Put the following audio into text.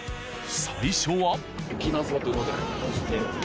最初は。